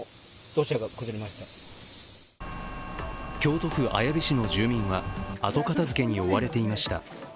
京都府綾部市の住民は後片づけに追われていました。